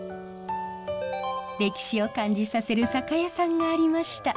歴史を感じさせる酒屋さんがありました。